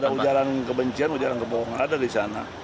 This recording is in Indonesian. ada ujaran kebencian ujaran kebohongan ada di sana